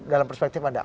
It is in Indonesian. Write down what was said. dalam perspektif anda